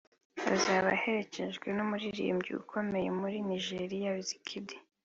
azaba aherekejwe n’umuririmbyi ukomeye muri Nigeria Wizkid